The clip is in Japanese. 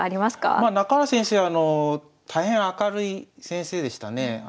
まあ中原先生はあの大変明るい先生でしたね。